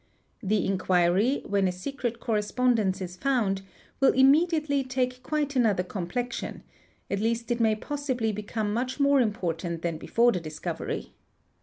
The inquiry, when a secret correspondence is found, will immediately take quite another complexion; at least it may possibly become much more important than before the discovery.